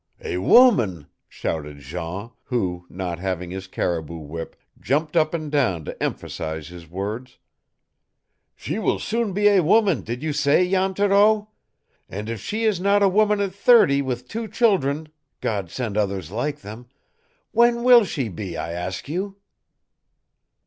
"A woman!" shouted Jean, who, not having his caribou whip, jumped up and down to emphasize his words. "She will soon be a woman, did you say, Jan Thoreau? And if she is not a woman at thirty, with two children God send others like them! when will she be, I ask you?"